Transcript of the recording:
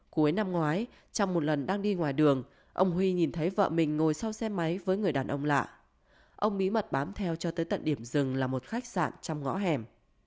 cuối năm ngoái trong một lần đang đi ngoài đường ông huy nhìn thấy vợ mình ngồi sau xe máy với người đàn ông lạ ông bí mật bám theo cho tới tận điểm dừng là một khách sạn trong ngõ hẻm